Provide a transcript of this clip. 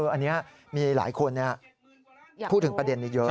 อันนี้มีหลายคนพูดถึงประเด็นนี้เยอะ